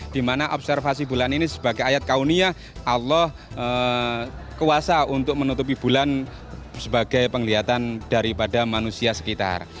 di mana observasi bulan ini sebagai ayat kaunia allah kuasa untuk menutupi bulan sebagai penglihatan daripada manusia sekitar